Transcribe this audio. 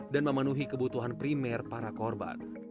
dan memenuhi kebutuhan primer para korban